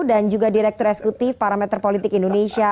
dan juga direktur eksekutif parameter politik indonesia